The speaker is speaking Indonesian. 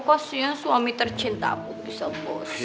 kasian suami tercinta aku bisa bosan